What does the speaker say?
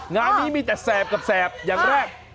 งานนี้มีแต่แสบกับแสบอย่างแรก